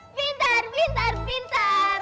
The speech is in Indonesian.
pintar pintar pintar